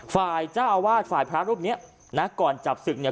ฝ่ายเจ้าอาวาสฝ่ายพระรูปเนี้ยนะก่อนจับศึกเนี่ย